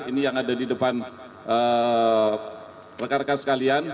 ini yang ada di depan rekan rekan sekalian